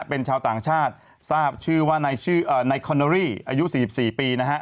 เป็นชาวต่างชาติทราบชื่อว่านายคอนโอรี่อายุ๔๔ปีนะฮะ